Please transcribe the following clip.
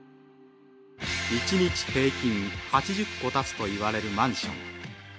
一日平均８０戸建つといわれるマンション